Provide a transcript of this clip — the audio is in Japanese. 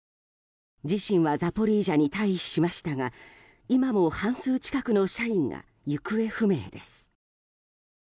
自身はザポリージャに退避しましたが今も半数近くの社員が行方不明です。